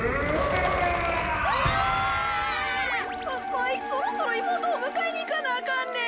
わいそろそろいもうとをむかえにいかなあかんねん。